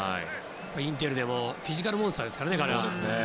インテルでもフィジカルモンスターですから。